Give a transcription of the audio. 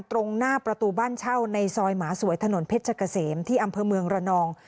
ตรงหน้าประตูบ้านเช่าในซอยหมาสวยถนนเพชรเกษมที่อำเภอเมืองระนอง